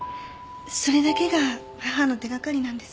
それだけが母の手掛かりなんです。